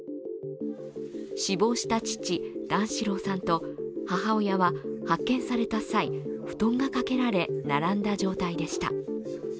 死亡した父・段四郎さんと母親や発見された際布団がかけられ並んだ状態でした。